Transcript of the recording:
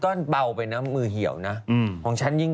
โอลี่คัมรี่ยากที่ใครจะตามทันโอลี่คัมรี่ยากที่ใครจะตามทัน